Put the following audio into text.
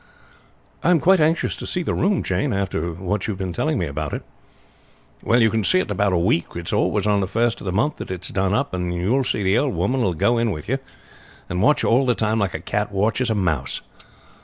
"I am quite anxious to see the room, Jane, after what you have been telling me about it." "Well, you will see it in about a week. It's always on the first of the month that it is done up; and you will see the old woman will go in with you, and watch you all the time like a cat watches a mouse.